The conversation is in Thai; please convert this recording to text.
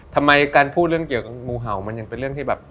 ทำไมการพูดเรื่องเกี่ยวกับงูเห่ามันยังเป็นเรื่องที่แบบ